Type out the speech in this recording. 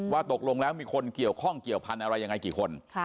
ตกลงแล้วมีคนเกี่ยวข้องเกี่ยวพันธุ์อะไรยังไงกี่คน